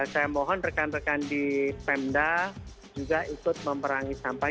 saya mohon rekan rekan di pemda juga ikut memerangi sampah